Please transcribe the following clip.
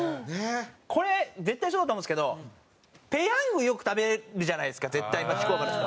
これ絶対そうだと思うんですけどペヤングよく食べるじゃないですか絶対町工場の人。